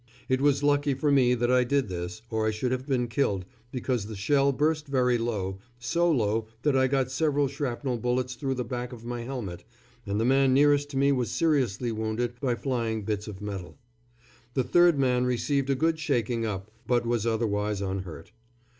It was lucky for me that I did this, or I should have been killed, because the shell burst very low, so low that I got several shrapnel bullets through the back of my helmet, and the man nearest to me was seriously wounded by flying bits of metal. The third man received a good shaking up, but was otherwise unhurt.